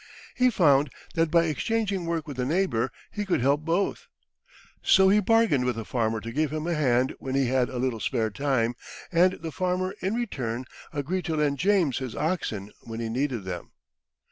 He found that by exchanging work with a neighbour he could help both. So he bargained with a farmer to give him a hand when he had a little spare time, and the farmer in return agreed to lend James his oxen when he needed them.